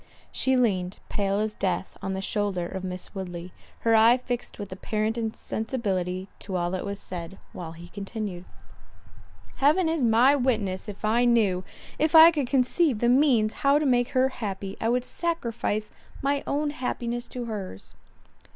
She leaned, pale as death, on the shoulder of Miss Woodley, her eye fixed with apparent insensibility to all that was said, while he continued, "Heaven is my witness, if I knew—If I could conceive the means how to make her happy, I would sacrifice my own happiness to hers."